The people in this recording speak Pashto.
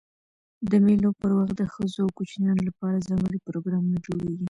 د مېلو پر وخت د ښځو او کوچنيانو له پاره ځانګړي پروګرامونه جوړېږي.